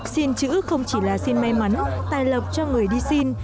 xin chữ không chỉ là xin may mắn tài lộc cho người đi xin